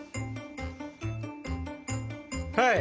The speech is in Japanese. はい！